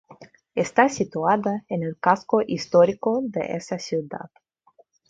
Está situada en el casco histórico de esa ciudad.